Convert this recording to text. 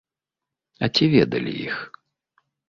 А ці ведалі іх?